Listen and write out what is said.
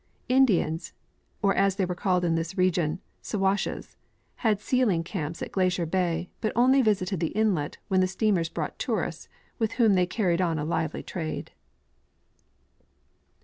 Indians, or as they are called in this region " Siwashes," had sealing camps in Glacier bay, but only visited the inlet when the steamers brought tourists, with whom they carried on a. lively trade.